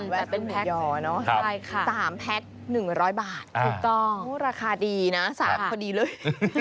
แต่เป็นหมูยอเนอะ๓แพ็ค๑๐๐บาทถูกต้องราคาดีนะสามารถพอดีเลย